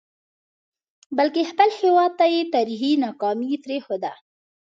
بلکې خپل هیواد ته یې تاریخي ناکامي پرېښوده.